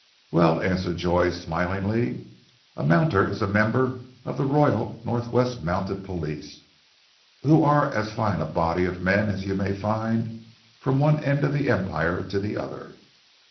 "Well," answered Joy smilingly, "a mounter is a member of the Royal North West Mounted Police, who are as fine a body of men as you may find from one end of the Empire to the other."